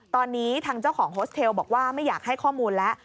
ตอนนี้ทางเจ้าของโฮสเทลบอกว่าไม่อยากให้ข้อมูลแล้ว